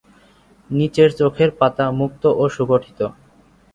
নিচের চোখের পাতা মুক্ত ও সুগঠিত।